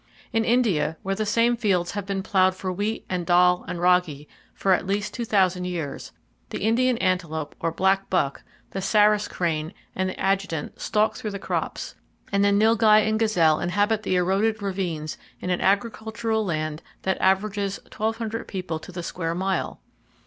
In India where the same fields have been plowed for wheat and dahl and raggi for at least 2,000 years, the Indian antelope, or "black buck," the saras crane and the adjutant stalk through the crops, and the nilgai and gazelle inhabit the eroded ravines in an agricultural land that averages 1,200 people to the square mile!